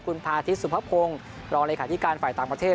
คุณภาษณ์อาทิตย์สุภพพงศ์รองรายการที่การฝ่ายต่างประเทศ